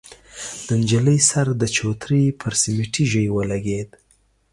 د نجلۍ سر د چوترې پر سميټي ژۍ ولګېد.